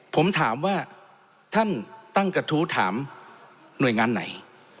ผมถามว่าท่านตั้งกระทู้ถามหน่วยงานไหน